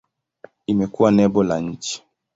Imekuwa nembo la nchi.